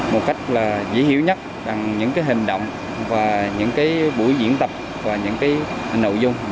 một cách dễ hiểu nhất là những hành động những buổi diễn tập và những nội dung